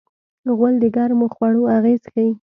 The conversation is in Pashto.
غول د ګرمو خوړو اغېز ښيي.